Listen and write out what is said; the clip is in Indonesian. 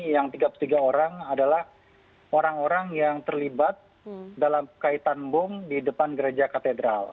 yang tiga puluh tiga orang adalah orang orang yang terlibat dalam kaitan bom di depan gereja katedral